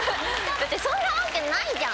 だってそんなわけないじゃん。